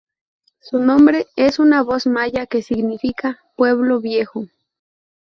Su nombre es una voz maya que significa "Pueblo viejo".